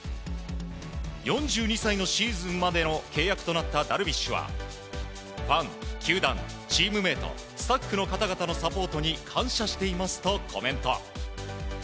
４２歳のシーズンまでの契約となったダルビッシュはファン、球団、チームメイトスタッフの方々のサポートに感謝していますとコメント。